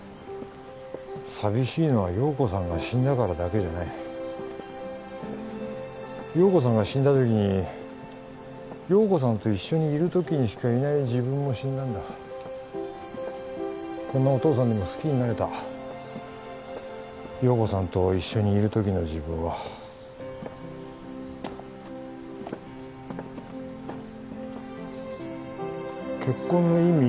寂しいのは陽子さんが死んだからだけじゃない陽子さんが死んだ時に陽子さんと一緒にいる時にしかいない自分も死んだんだこんなお父さんでも好きになれた陽子さんと一緒にいる時の自分は結婚の意味？